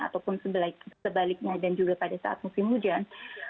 ataupun sebaliknya dan juga pada saat musim hujan